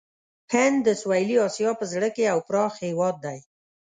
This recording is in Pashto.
هند د سویلي آسیا په زړه کې یو پراخ هېواد دی.